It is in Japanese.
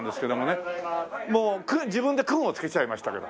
もうクン自分でクンをつけちゃいましたけど。